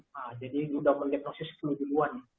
nah jadi sudah mendiagnosis flu duluan